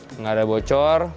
tidak ada bocor